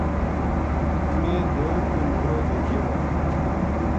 میں دیو کو مورو دیکھیو ہے